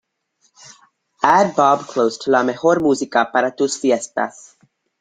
add bob klose to la mejor música para tus fiestas